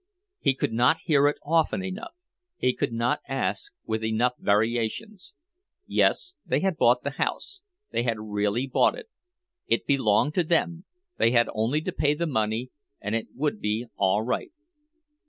He could not hear it often enough; he could not ask with enough variations. Yes, they had bought the house, they had really bought it. It belonged to them, they had only to pay the money and it would be all right.